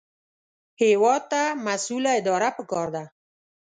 هېواد ته مسؤله اداره پکار ده